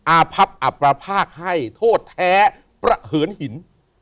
อาพับอับประภาคให้โทษแท้ประเหินหิน